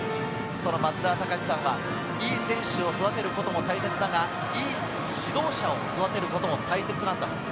松澤隆司さんはいい選手を育てることも大切だが、いい指導者を育てることも大切だ。